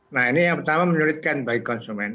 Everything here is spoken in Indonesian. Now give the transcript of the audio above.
nah ini yang pertama menyulitkan bagi konsumen